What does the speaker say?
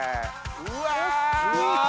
うわ！